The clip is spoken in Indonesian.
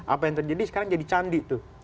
apa yang terjadi sekarang jadi candi tuh